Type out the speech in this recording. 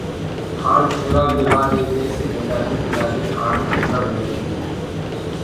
کآنڊ ٺيوآ ڪي بآد ايڪ ايسي جگآ تي جرآ مي کآڙ رهيري تي۔